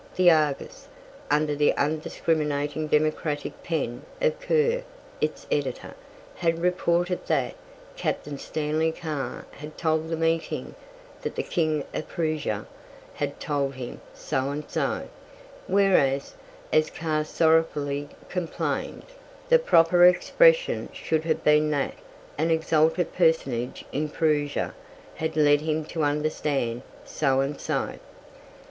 The "Argus", under the undiscriminating democratic pen of Kerr, its editor, had reported that "Captain Stanley Carr had told the meeting that the King of Prussia had told him" so and so; whereas, as Carr sorrowfully complained, the proper expression should have been that "an exalted personage in Prussia had led him to understand" so and so.